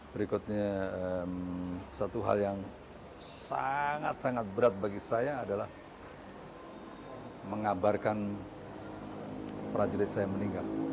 berikutnya satu hal yang sangat sangat berat bagi saya adalah mengabarkan prajurit saya meninggal